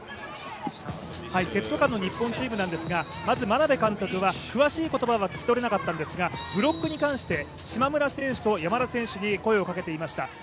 セット間の日本チームなんですが、まず眞鍋監督は詳しい言葉は聞き取れなかったんですが、ブロックに関して、島村選手と山田選手に声をかけていました。